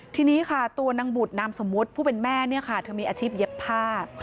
ทีนี้ค่ะตัวนางบุตรนามสมมุติผู้เป็นแม่เนี่ยค่ะเธอมีอาชีพเย็บผ้า